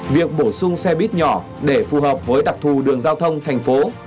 việc bổ sung xe buýt nhỏ để phù hợp với đặc thù đường giao thông thành phố